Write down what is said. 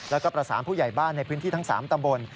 แล้วก็ประสานผู้ใหญ่บ้านในพื้นที่ทั้ง๓ตำบล